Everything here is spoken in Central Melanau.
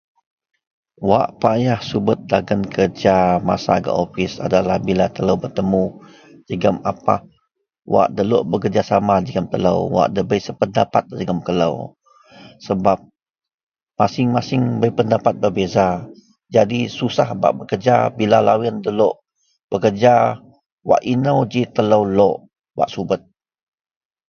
Wak payah subet dagen kereja a masa gak opis adalah bila telou betemu jegem apah wak ndalok bekerejasama jegem telou wak ndabei sependapat jegem telou sebab masieng-masieng bei pendapat berbeza. Jadi susah bak bekereja bila loyen ndalok bekereja wak inou ji telou lok wak subet.